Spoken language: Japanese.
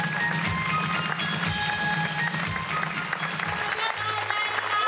ありがとうございます。